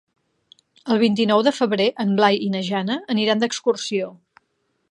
El vint-i-nou de febrer en Blai i na Jana aniran d'excursió.